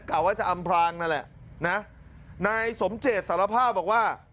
กะว่าจะอำพลางนั่นแหละนะนายสมเจตสารภาพบอกว่า